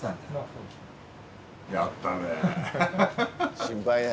やったで。